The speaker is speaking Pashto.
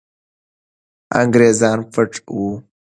انګریزان پټ وو.